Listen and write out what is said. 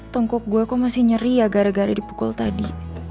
tongkok gue kok masih nyeri ya gara gara dipukul tadi